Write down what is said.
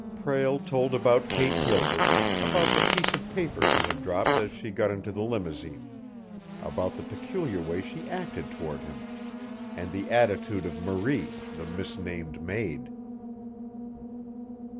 Prale told about Kate Gilbert, about the piece of paper she had dropped as she got into the limousine, about the peculiar way she acted toward him, and the attitude of Marie, the misnamed maid.